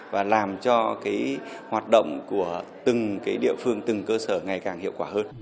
và làm cho cái hoạt động của từng địa phương từng cơ sở ngày càng hiệu quả hơn